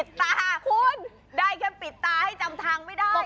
ปิดตาได้แค่ปิดตาจะให้ทำทางไม่ได้